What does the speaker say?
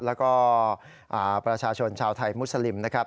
แล้วก็ประชาชนชาวไทยมุสลิมนะครับ